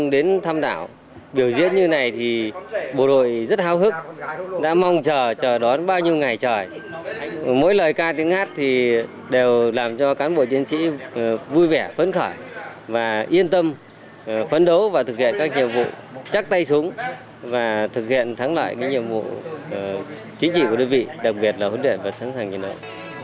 làm cho cán bộ chiến sĩ vui vẻ phấn khởi và yên tâm phấn đấu và thực hiện các nhiệm vụ chắc tay súng và thực hiện thắng lại những nhiệm vụ chính trị của đối vị đồng biệt là huấn luyện và sẵn sàng như nơi